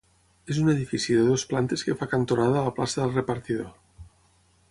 És un edifici de dues plantes que fa cantonada a la plaça del Repartidor.